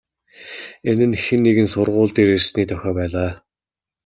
Энэ нь хэн нэгэн сургууль дээр ирсний дохио байлаа.